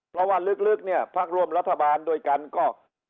เพราะว่าลึกเนี่ยพักร่วมรัฐบาลด้วยกันก็